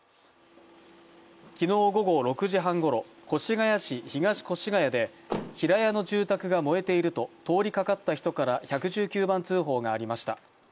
昨日午後６時半ごろ、越谷市東越谷で平屋の住宅が燃えていると通りかかった人から１１９番通報がありました。